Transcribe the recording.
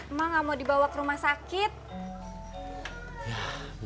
emak gak mau dibawa ke rumah sakit